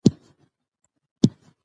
خپله ډوډۍ خپله وګټئ.